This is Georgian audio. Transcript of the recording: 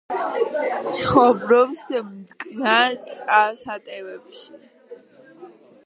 ცხოვრობს მტკნარ წყალსატევებში.